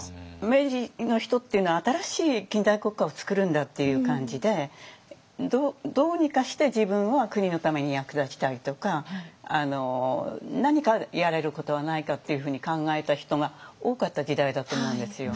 明治の人っていうのは新しい近代国家を作るんだっていう感じでどうにかして自分は国のために役立ちたいとか何かやれることはないかっていうふうに考えた人が多かった時代だと思うんですよ。